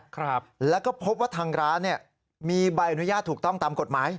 ครับแล้วก็พบว่าทางร้านเนี่ยมีใบอนุญาตถูกต้องตามกฎหมาย